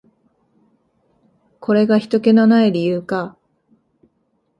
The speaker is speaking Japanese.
これがひとけの無い理由か。